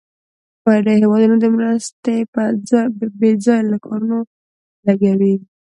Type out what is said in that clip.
بډایه هېوادونه مرستې په بیځایه کارونو لګوي.